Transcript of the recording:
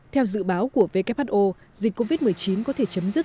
theo dự báo của who dịch covid một mươi chín có thể chấm dứt